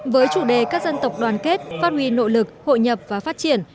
với chủ đề các dân tộc đoàn kết phát huy nội lực hội nhập và phát triển